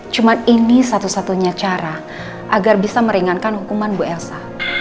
cuma ini satu satunya cara agar bisa meringankan hukuman bu elsa